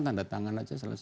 tanda tangan aja selesai